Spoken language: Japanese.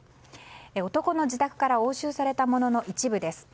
男の自宅から押収されたものの一部です。